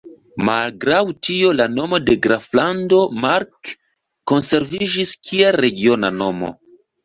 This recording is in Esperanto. Malgraŭ tio la nomo de Graflando Mark konserviĝis kiel regiona nomo.